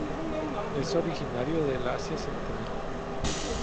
Es originario del Asia central.